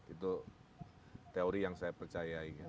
itu teori yang saya percayai